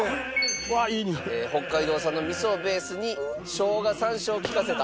北海道産の味噌をベースに生姜山椒を利かせた。